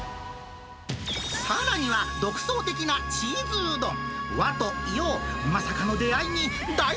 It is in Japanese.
さらには独創的なチーズうどん。